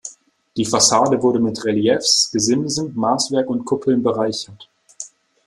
Die Fassade wurde mit Reliefs, Gesimsen, Maßwerk und Kuppeln bereichert.